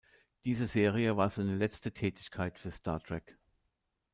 Diese Serie war seine letzte Tätigkeiten für Star Trek.